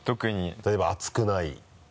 例えば熱くない。